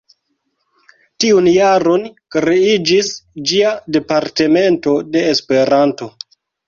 Tiun jaron kreiĝis ĝia Departemento de Esperanto.